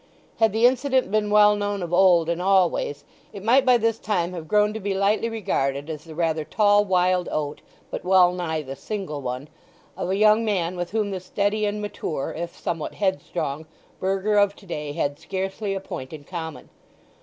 Had the incident been well known of old and always, it might by this time have grown to be lightly regarded as the rather tall wild oat, but well nigh the single one, of a young man with whom the steady and mature (if somewhat headstrong) burgher of to day had scarcely a point in common.